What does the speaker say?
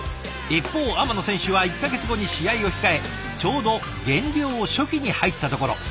一方天野選手は１か月後に試合を控えちょうど減量初期に入ったところ。